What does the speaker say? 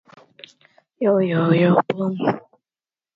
This experience left Herbert a very bitter and alcoholic man.